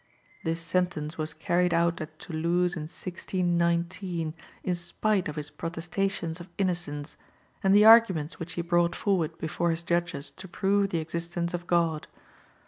This sentence was carried out at Toulouse in 1619, in spite of his protestations of innocence, and the arguments which he brought forward before his judges to prove the existence of God.